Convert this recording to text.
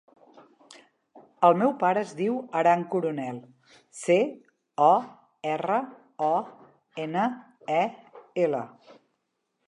El meu pare es diu Aran Coronel: ce, o, erra, o, ena, e, ela.